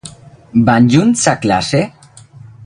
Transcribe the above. Van junts a classe?